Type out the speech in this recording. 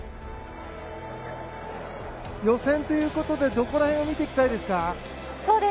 予選ということでどこら辺を見ていきたいですか。